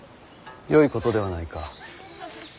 よいことではないか。